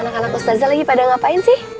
anak anak ustazah lagi pada ngapain sih